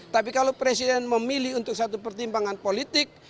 tapi kalau presiden memilih untuk satu pertimbangan politik